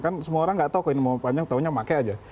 kan semua orang nggak tahu kalau mau panjang tau nya pakai aja